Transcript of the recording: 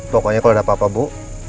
pokoknya kalau ada apa apa bu